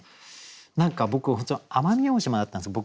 何か僕奄美大島だったんですよ